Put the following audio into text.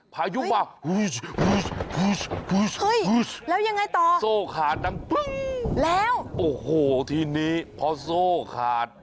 พายุว่าอุ๊ยแล้วยังไงต่อโซ่ขาดแล้วโอ้โหทีนี้พอโซ่ขาด